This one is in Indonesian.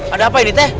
ada apa ini teh